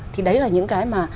thì đấy là những cái mà